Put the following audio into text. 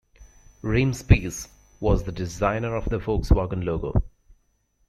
Reimspiess was the designer of the Volkswagen logo.